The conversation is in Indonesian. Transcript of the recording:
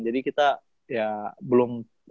jadi kita ya belum